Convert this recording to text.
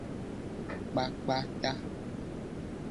Kpakpa ta.